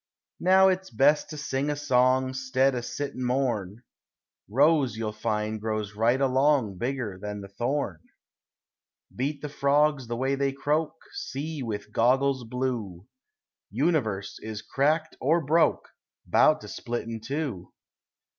Now it's best to sing a song 'Stead o' sit and mourn; Rose you'll find grows right along Bigger than the thorn. Beat the frogs the way they croak; See with goggles blue Universe is cracked or broke, 'Bout to split in two.